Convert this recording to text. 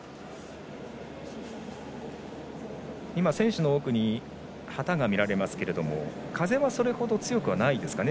選手の奥に旗が見られますけれども風はそれほど強くはないですかね。